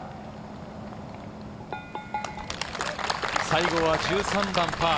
西郷は１３番パー。